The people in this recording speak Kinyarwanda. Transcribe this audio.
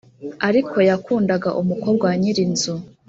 ariko yakundaga umukobwa wa nyirinzu,